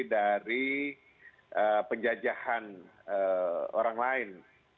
dari penjajahan orang lain